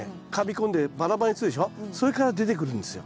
それから出てくるんですよ。